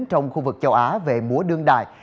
trong khu vực châu á về múa đương đài